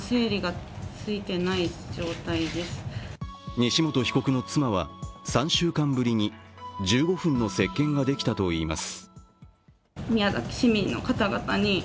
西本被告の妻は、３週間ぶりに１５分の接見ができたといいます。